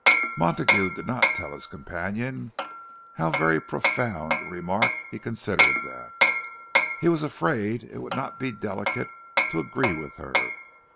Montague did not tell his companion how very profound a remark he considered that; he was afraid it would not be delicate to agree with her.